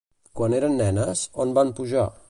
Quan eren nenes, on van pujar?